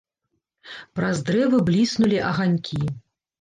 Праз дрэвы бліснулі аганькі.